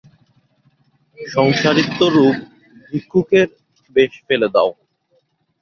সংসারিত্ব-রূপ ভিক্ষুকের বেশ ফেলে দাও।